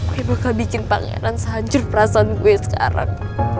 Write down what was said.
gue bakal bikin pangeran sehancur perasaan gue sekarang